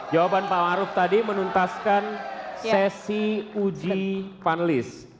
jawaban pak maruf tadi menuntaskan sesi uji panelis